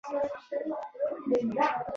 هغه به د کور ټول کارونه کول او ماشومان یې ساتل